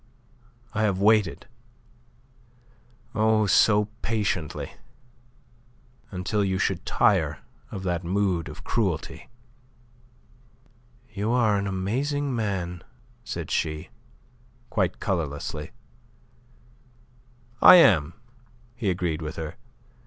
I have waited oh! so patiently until you should tire of that mood of cruelty." "You are an amazing man," said she, quite colourlessly. "I am," he agreed with her.